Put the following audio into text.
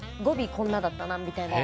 こんなだったなみたいな。